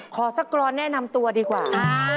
ขอสักกรอนแนะนำตัวดีกว่า